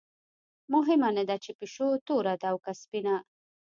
مهمه نه ده چې پیشو توره ده او که سپینه.